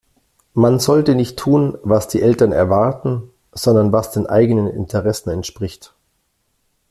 Man sollte nicht tun, was die Eltern erwarten, sondern was den eigenen Interessen entspricht.